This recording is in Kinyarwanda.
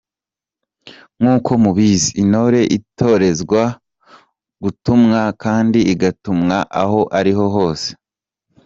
Nk’uko mubizi intore itorezwa gutumwa kandi igatumwa aho ariho hose.